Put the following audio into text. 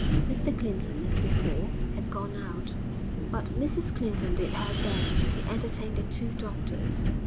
Mr Clinton, as before, had gone out, but Mrs Clinton did her best to entertain the two doctors.